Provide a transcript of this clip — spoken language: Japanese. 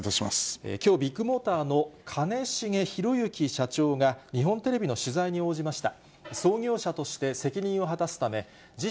きょう、ビッグモーターの兼重宏行社長が、日本テレビの取材に応じました。